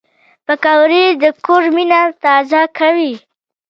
پکورې د کور مینه تازه کوي